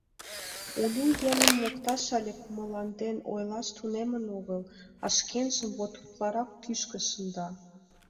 Улю еҥым мокташ але кумылаҥден ойлаш тунемын огыл, а шкенжым вот утларакат кӱшкӧ шында.